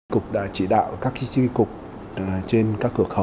cục đã chỉ đạo các tri cục trên các cửa khẩu